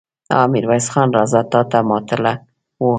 ها! ميرويس خان! راځه، تاته ماتله وو.